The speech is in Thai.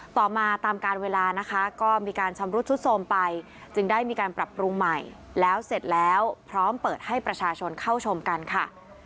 ต่อมาตามการเวลานะคะก็มีการชำรุดชุดโทรมไปจึงได้มีการปรับปรุงใหม่แล้วเสร็จแล้วพร้อมเปิดให้ประชาชนเข้าชมกันค่ะ